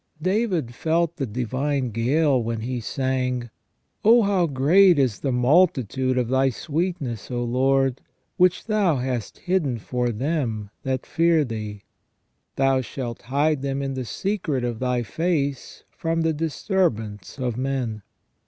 David felt the divine gale when he sang :" Oh, how great is the multitude of Thy sweetness, O Lord, which Thou hast hidden for them that fear Thee !... Thou shalt hide them in the secret of Thy face, from the disturbance of men."